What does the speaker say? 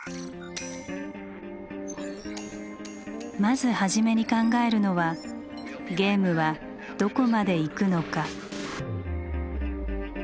まず初めに考えるのは「ゲームはどこまでいくのか」。